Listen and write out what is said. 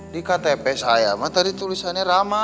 di ktp saya mah tadi tulisannya ramah